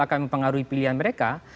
akan mempengaruhi pilihan mereka